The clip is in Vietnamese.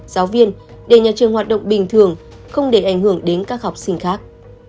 giáo viên để nhà trường hoạt động bình thường không để ảnh hưởng đến các học sinh khác